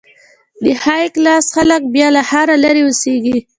د های کلاس خلک بیا له ښاره لرې اوسېږي.